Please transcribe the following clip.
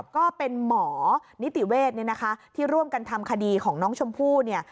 ก็เป็นหมอนิติเวศที่ร่วมกันทำคดีของน้องชมพู่เนี่ย